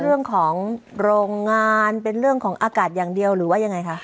เรื่องของโรงงานเป็นเรื่องของอากาศอย่างเดียวหรือว่ายังไงคะ